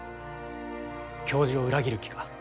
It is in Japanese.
教授を裏切る気か？